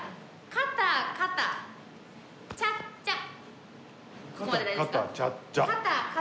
肩肩チャッチャッ。